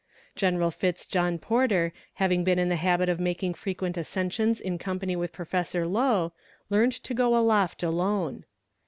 General Fitz John Porter having been in the habit of making frequent ascensions in company with Professor Lowe, learned to go aloft alone.